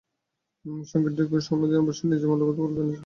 সঙ্গীটিকেও সময় দিন এবং অবশ্যই নিজের মূল্যবোধগুলো মেনে চলুন।